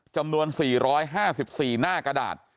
จำนวน๔๕๔หน้ากระดาษ